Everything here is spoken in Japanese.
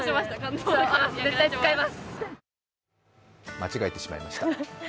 間違えてしましました。